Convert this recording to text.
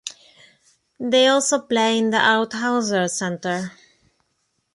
They also play in the Art Hauser Centre.